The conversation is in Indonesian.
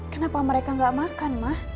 kenapa mereka gak makan ma